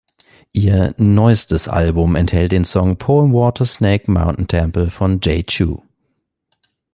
Ihr neustes Album enthält den Song "Poem Water Snake Mountain Temple" von Jay Chou.